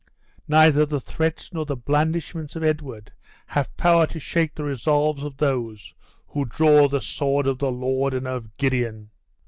Neither the threats nor the blandishments of Edward have power to shake the resolves of those who draw the sword of the Lord and of Gideon!"